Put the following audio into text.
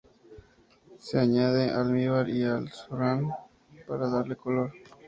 Se añade almíbar y azafrán para darle color.